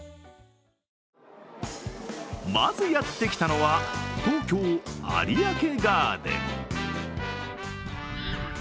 まずやってきたのは東京・有明ガーデン。